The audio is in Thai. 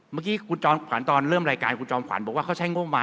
เมื่อกี้คุณจอมขวัญตอนเริ่มรายการคุณจอมขวัญบอกว่าเขาใช้งบมา